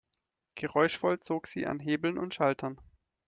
Geräuschvoll zog sie an Hebeln und Schaltern.